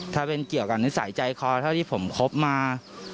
ถ้าเป็นเกี่ยวกับนิสัยใจคอเท่าที่ผมคบมา